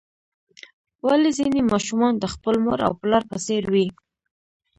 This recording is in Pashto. ولې ځینې ماشومان د خپل مور او پلار په څیر وي